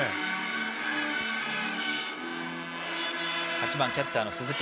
８番キャッチャーの鈴木。